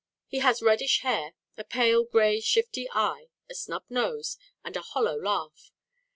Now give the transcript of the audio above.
He has reddish hair, a pale grey shifty eye, a snub nose, and a hollow laugh.